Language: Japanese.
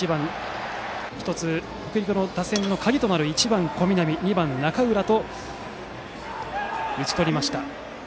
北陸の打線の鍵となる１番の小南、２番の中浦と打ち取りました。